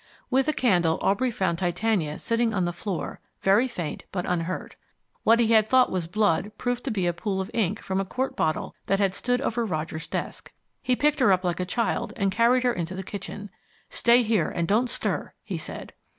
With a candle Aubrey found Titania sitting on the floor, very faint, but unhurt. What he had thought was blood proved to be a pool of ink from a quart bottle that had stood over Roger's desk. He picked her up like a child and carried her into the kitchen. "Stay here and don't stir," he said.